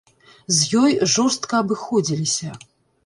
З ёй жорстка абыходзіліся.